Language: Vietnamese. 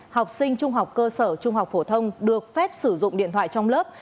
học sinh trung học cơ sở trung học phổ thông được phép sử dụng điện thoại trong lớp